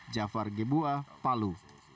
jafar gebuah palu